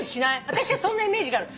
私はそんなイメージがある。